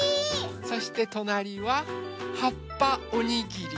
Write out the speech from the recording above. そしてとなりははっぱおにぎり。